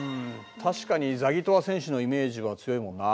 確かにザギトワ選手のイメージは強いもんなあ。